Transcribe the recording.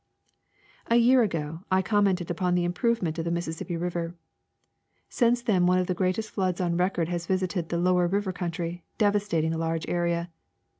A year ago I commented upon the improvement of the Missis sippi river. Since then one of the greatest floods oh record has visited the' lower river country, devastating a large area.